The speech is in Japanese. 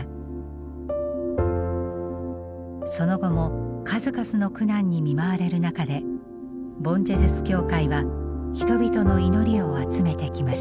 その後も数々の苦難に見舞われる中でボン・ジェズス教会は人々の祈りを集めてきました。